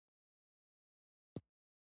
تاریخ د خپل ولس د وړتیاو ښکارندوی دی.